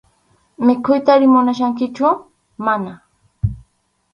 ¿Mikhuytari munachkankichu?- Mana.